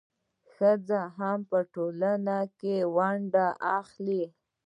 ښځې هم په ټولنه کې ونډه اخلي.